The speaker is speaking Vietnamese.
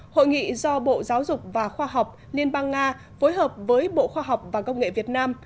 hội nghị do bộ giáo dục và khoa học liên bang nga phối hợp với bộ khoa học và công nghệ việt nam